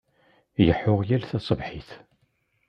Leḥḥuɣ yal taṣebḥit.